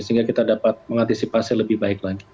sehingga kita dapat mengantisipasi lebih baik lagi